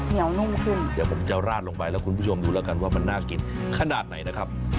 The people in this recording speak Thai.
เหนียวนุ่มขึ้นเดี๋ยวผมจะราดลงไปแล้วคุณผู้ชมดูแล้วกันว่ามันน่ากินขนาดไหนนะครับ